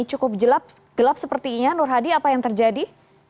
cukup gelap gelap sepertinya nur hadi apa yang terjadi